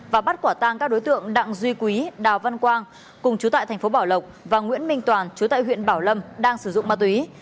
và bắt quả tang các đối tượng đặng duy quý đào văn quang cùng chú tại thành phố bảo lộc và nguyễn minh toàn chú tại huyện bảo lâm đang sử dụng ma túy